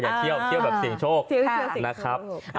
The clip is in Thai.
เที่ยวเที่ยวแบบเสี่ยงโชคนะครับ